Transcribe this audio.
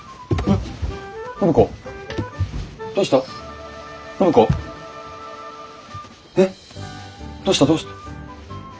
えっどうしたどうした？